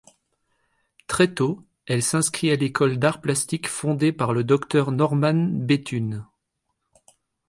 Très tôt, elle s'inscrit à l'école d'arts plastiques fondée par le Docteur Norman Bethune.